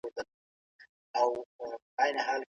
خیر محمد په خپل ذهن کې د نوي کور نقشه جوړه کړه.